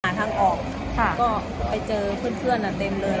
ทางออกก็ไปเจอเพื่อนเต็มเลย